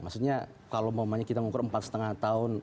maksudnya kalau kita mengukur empat lima tahun